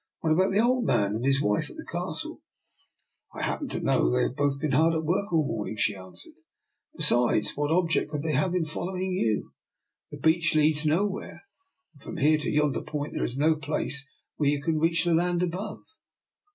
What about the old man and his wife at the Castle? "" I happen to know that they have both been hard at work all the morning," she an swered. " Besides, what object could they have in following you? The beach leads no where, and from here to yonder point there is no place where you can reach the land above."